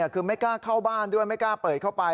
คือไม่กล้าเข้าบ้านด้วยไม่กล้าเปิดเข้าไป